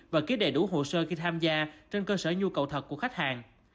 và ký đầy đủ hồ sơ khi tham gia trên cơ sở nhu cầu thật của khách hàng